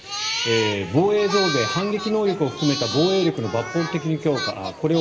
防衛増税、反撃能力を含めた防衛力の抜本的な強化を